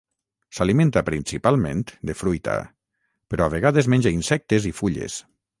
S'alimenta principalment de fruita, però a vegades menja insectes i fulles.